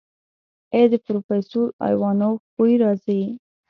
ای د پروفيسر ايوانوف بوئ راځي.